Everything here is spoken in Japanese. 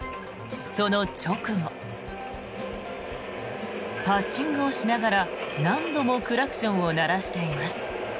その直後パッシングをしながら何度もクラクションを鳴らしています。